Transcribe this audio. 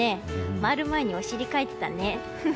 回る前に、お尻かいてたね。